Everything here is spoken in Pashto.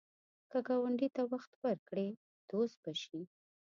که ګاونډي ته وخت ورکړې، دوست به شي